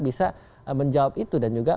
bisa menjawab itu dan juga